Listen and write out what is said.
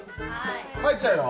入っちゃうよ。